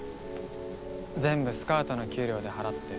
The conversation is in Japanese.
全部スカウトの給料で払ってる。